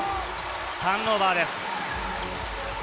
ターンオーバーです。